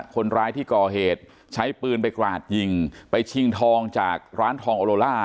คนร้ายที่ก่อเหตุใช้ปืนไปกราดยิงไปชิงทองจากร้านทองโอโลล่า